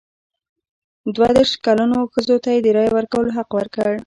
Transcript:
دوه دیرش کلنو ښځو ته د رایې ورکولو حق ورکړ.